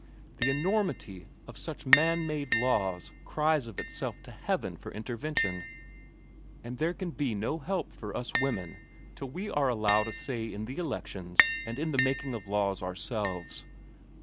The enormity of such man made laws cries of itself to Heaven for intervention. And there can be no help for us women till we are allowed a say in the elections, and in the making of laws, ourselves.